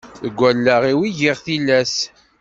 Deg allaɣ-iw i s-giɣ tilas.